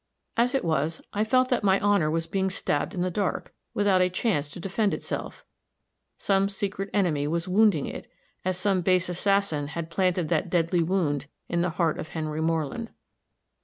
As it was, I felt that my honor was being stabbed in the dark, without a chance to defend itself some secret enemy was wounding it, as some base assassin had planted that deadly wound in the heart of Henry Moreland.